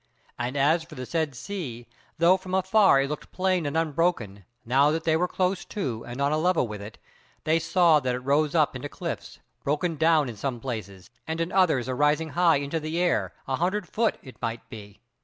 And as for the said sea, though from afar it looked plain and unbroken, now that they were close to, and on a level with it, they saw that it rose up into cliffs, broken down in some places, and in others arising high into the air, an hundred foot, it might be.